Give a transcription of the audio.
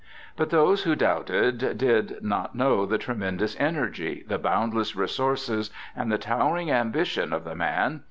But those who doubted did not know the tremendous energy, the boundless resources, and the towering ambition of the man.